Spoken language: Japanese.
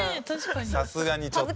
さすがにちょっと。